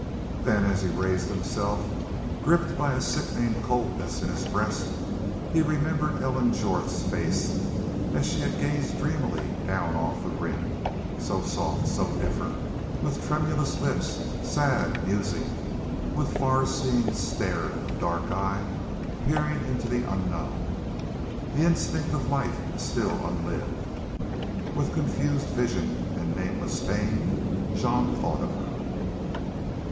Then as he raised himself, gripped by a sickening coldness in his breast, he remembered Ellen Jorth's face as she had gazed dreamily down off the Rim so soft, so different, with tremulous lips, sad, musing, with far seeing stare of dark eyes, peering into the unknown, the instinct of life still unlived. With confused vision and nameless pain Jean thought of her.